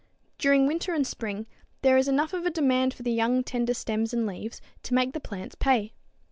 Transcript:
During winter and spring there is enough of a demand for the young tender stems and leaves to make the plants pay.